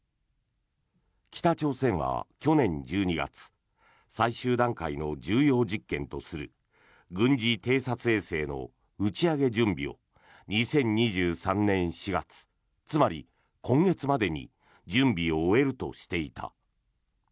北朝鮮は去年１２月最終段階の重要実験とする軍事偵察衛星の打ち上げ準備を２２０２３年４月つまり、今月までに準備を終えるとしていた。